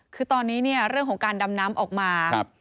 คือตอนนี้เนี่ยเรื่องของการดำน้ำออกมา